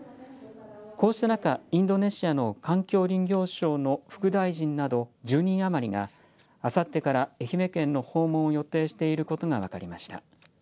こうした中、インドネシアの環境林業省の副大臣など１０人余りがあさってから愛媛県の訪問を予定していることが分かりました。